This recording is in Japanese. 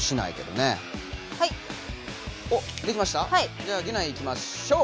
じゃあギュナイいきましょう。